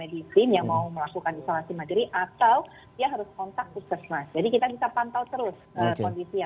kondisi yang bertanggung jawab